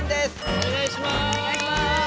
おねがいします！